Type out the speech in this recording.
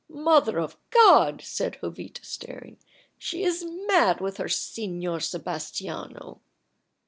"Mother of God!" said Jovita, staring, "she is mad with her Senor Sebastiano."